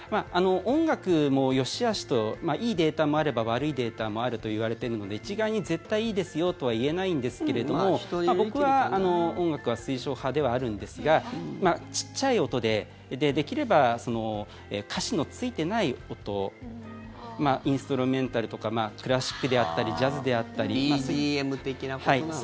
音楽もよしあしといいデータもあれば悪いデータもあるといわれているので一概に絶対いいですよとは言えないんですけれども僕は音楽は推奨派ではあるんですがちっちゃい音でできれば歌詞のついてない音。インストゥルメンタルとかクラシックであったりＢＧＭ的なことなのかな。